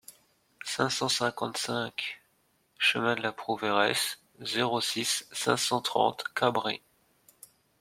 cinq cent cinquante-cinq chemin de la Prouveiresse, zéro six, cinq cent trente, Cabris